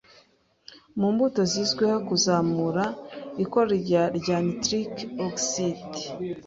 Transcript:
mu mbuto zizwiho kuzamura ikorwa rya nitric oxide